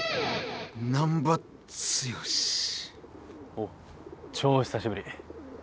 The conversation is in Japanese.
おう超久しぶり。